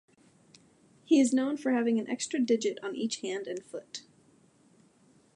He is known for having an extra digit on each hand and foot.